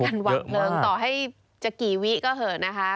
ร่วมกันวางเท่าไหร่ต่อให้จะกี่วิก็เหอะนะคะ